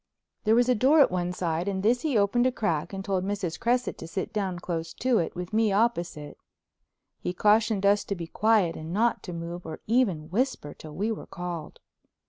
There was a door at one side, and this he opened a crack and told Mrs. Cresset to sit down close to it with me opposite. He cautioned us to be quiet and not to move or even whisper till we were called.